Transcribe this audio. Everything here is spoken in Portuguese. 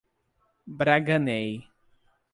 Braganey